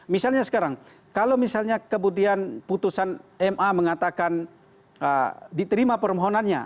misalnya sekarang kalau misalnya kemudian putusan ma mengatakan diterima permohonannya